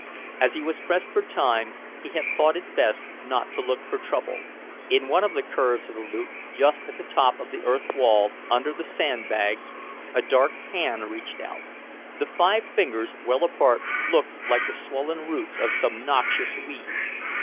As he was pressed for time, he had thought best not to look for trouble. In one of the curves of the loop, just at the top of the earth wall, under the sand bags, a dark hand reached out; the five fingers, well apart, looked like the swollen roots of some noxious weed.